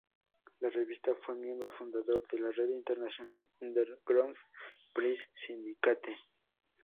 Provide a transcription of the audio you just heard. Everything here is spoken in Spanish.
La revista fue miembro fundador de la red internacional Underground Press Syndicate.